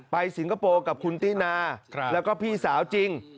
สิงคโปร์กับคุณตินาแล้วก็พี่สาวจริง